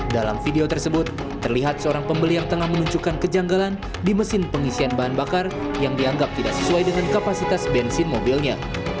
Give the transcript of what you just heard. dalam video tersebut terlihat seorang pembeli yang tengah menunjukkan kejanggalan di mesin pengisian bahan bakar yang dianggap tidak sesuai dengan kapasitas bensin mobilnya